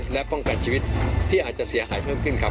และป้องกันชีวิตที่อาจจะเสียหายเพิ่มขึ้นครับ